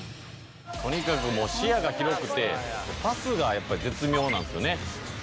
とにかく視野が広くてパスがやっぱり絶妙なんですよね。